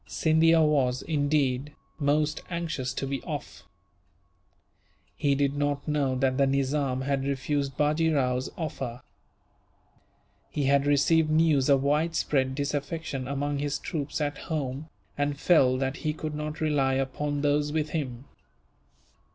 Scindia was, indeed, most anxious to be off. He did not know that the Nizam had refused Bajee Rao's offer. He had received news of widespread disaffection among his troops at home, and felt that he could not rely upon those with him.